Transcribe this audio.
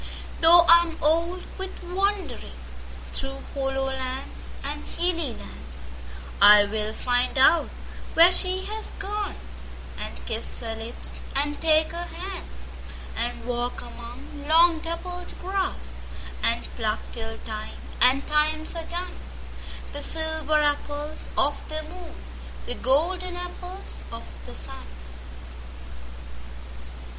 Though I am old with wanderingThrough hollow lands and hilly lands,I will find out where she has gone, And kiss her lips and take her hands; And walk among long dappled grass, And pluck till time and times are done, The silver apples of the moon, The golden apples of the sun.